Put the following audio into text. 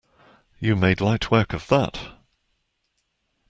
You made light work of that!